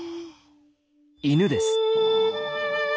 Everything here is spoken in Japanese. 犬です。